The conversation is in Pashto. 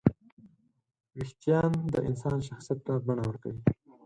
وېښتيان د انسان شخصیت ته بڼه ورکوي.